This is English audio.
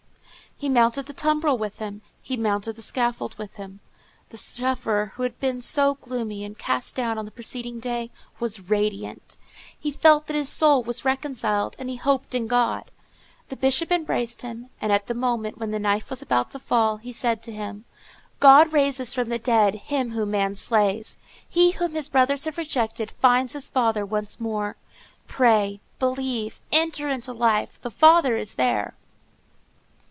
He mounted the tumbril with him, he mounted the scaffold with him. The sufferer, who had been so gloomy and cast down on the preceding day, was radiant. He felt that his soul was reconciled, and he hoped in God. The Bishop embraced him, and at the moment when the knife was about to fall, he said to him: "God raises from the dead him whom man slays; he whom his brothers have rejected finds his Father once more. Pray, believe, enter into life: the Father is there."